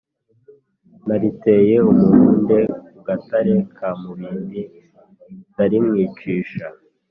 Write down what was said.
Naliteye umuhunde ku Gatare ka Mubindi, ndarimwicisha.